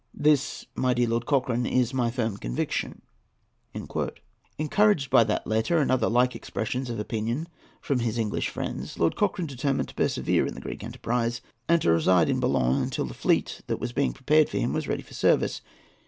This, my dear Lord Cochrane, is my firm conviction." Encouraged by that letter and other like expressions of opinion from his English friends, Lord Cochrane determined to persevere in his Greek enterprise, and to reside at Boulogne until the fleet that was being prepared for him was ready for service.